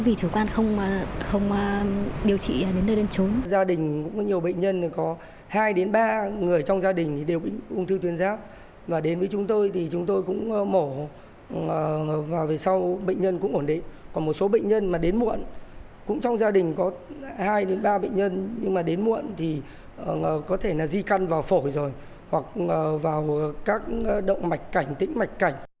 và về sau bệnh nhân cũng ổn đấy còn một số bệnh nhân mà đến muộn cũng trong gia đình có hai ba bệnh nhân nhưng mà đến muộn thì có thể là di căn vào phổi rồi hoặc vào các động mạch cảnh tĩnh mạch cảnh